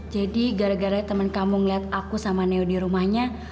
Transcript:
jadi gara gara temen kamu ngeliat aku sama neo dirumahnya